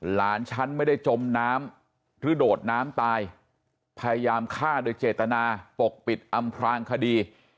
หลานฉันไม่ได้จมน้ำหรือโดดน้ำตายพยายามฆ่าโดยเจตนาปกปิดอำพลางคดี